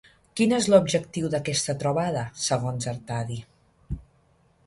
Quin és l'objectiu d'aquesta trobada, segons Artadi?